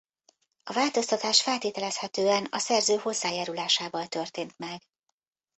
A változtatás feltételezhetően a szerző hozzájárulásával történt meg.